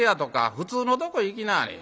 普通のとこ行きなはれ。